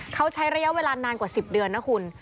เขาใช้ระยะเวลานานกว่า๑๐เดือนนะคุณ